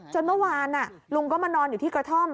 เมื่อวานลุงก็มานอนอยู่ที่กระท่อม